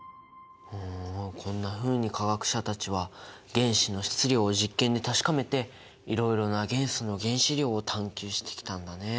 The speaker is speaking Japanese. こんなふうに化学者たちは原子の質量を実験で確かめていろいろな元素の原子量を探求してきたんだね。